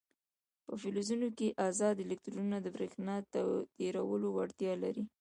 په فلزونو کې ازاد الکترونونه د برېښنا تیرولو وړتیا لري.